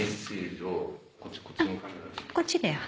こっちで？